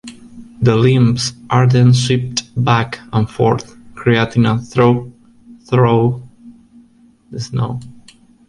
The limbs are then swept back and forth, creating a trough through the snow.